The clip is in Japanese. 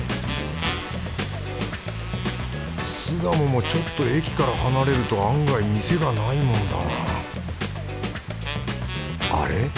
巣鴨もちょっと駅から離れると案外店がないもんだな。